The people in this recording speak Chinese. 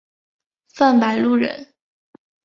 范百禄人。